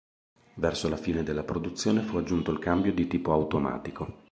Verso la fine della produzione fu aggiunto il cambio di tipo automatico.